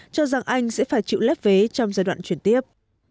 cho rằng anh sẽ phải chịu lép vé trong giai đoạn chuyển tiếp